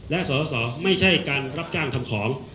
และสอสอไม่ใช่การรับจ้างทำของ